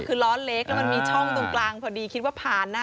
คือล้อเล็กแล้วมันมีช่องตรงกลางพอดีคิดว่าผ่านนะ